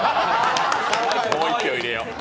もう１票入れよう。